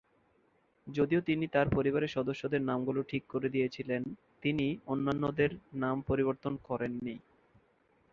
যদিও তিনি তার পরিবারের সদস্যদের নামগুলো ঠিক করে দিয়েছিলেন, তিনি অন্যান্যদের নাম পরিবর্তন করেন নি।